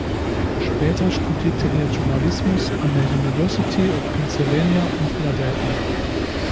Später studierte er Journalismus an der University of Pennsylvania in Philadelphia.